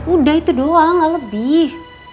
udah itu doang lebih